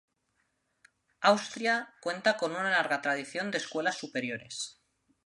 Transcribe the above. Austria cuenta con una larga tradición en Escuelas Superiores.